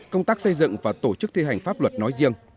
công tác xây dựng và tổ chức thi hành pháp luật nói riêng